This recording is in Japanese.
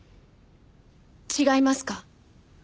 違いますか？